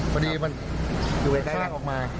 พอดีมันชาติออกมา